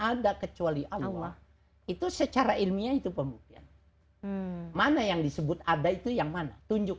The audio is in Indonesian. ada kecuali allah itu secara ilmiah itu pembuktian mana yang disebut ada itu yang mana tunjuk